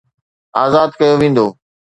آزاد ڪيو ويندو